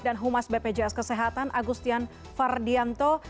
dan humas bpjs kesehatan agustian fardianto